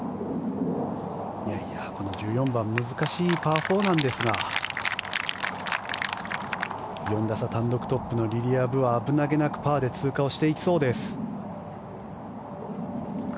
この１４番難しいパー４なんですが４打差、単独トップのリリア・ブは危なげなくパーで通過していきそうです。